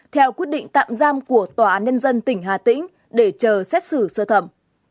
theo quyết định tạm giam của tòa án nhân dân tỉnh hà tĩnh để chờ xét xử sơ thẩm